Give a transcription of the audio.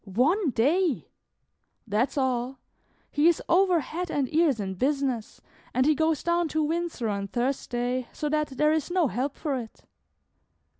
"One day!" "That's all; he is over head and ears in business, and he goes down to Windsor on Thursday, so that there is no help for it."